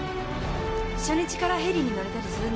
「初日からヘリに乗れたりするんですか？」